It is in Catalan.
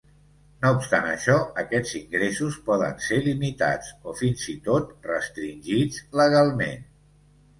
No obstant això, aquests ingressos poden ser limitats, o fins i tot, restringits legalment.